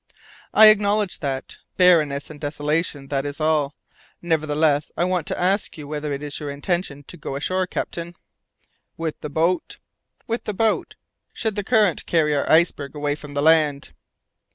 "I acknowledge that barrenness and desolation, that is all. Nevertheless, I want to ask you whether it is your intention to go ashore, captain?" "With the boat?" "With the boat, should the current carry our iceberg away from the land."